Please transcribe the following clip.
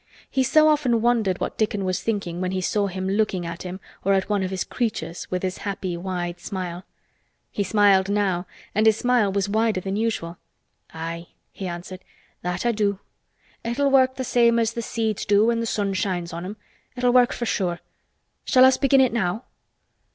He so often wondered what Dickon was thinking when he saw him looking at him or at one of his "creatures" with his happy wide smile. He smiled now and his smile was wider than usual. "Aye," he answered, "that I do. It'll work same as th' seeds do when th' sun shines on 'em. It'll work for sure. Shall us begin it now?"